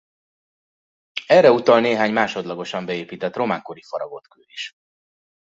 Erre utal néhány másodlagosan beépített román-kori faragott kő is.